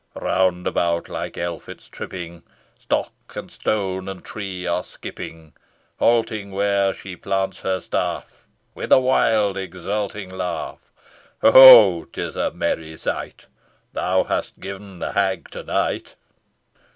Round about like elfets tripping, Stock and stone, and tree are skipping; Halting where she plants her staff, With a wild exulting laugh. Ho! ho! 'tis a merry sight, Thou hast given the hag to night.